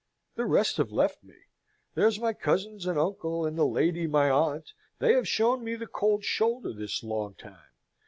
The rest have left me. There's my cousins and uncle and my lady my aunt, they have shown me the cold shoulder this long time.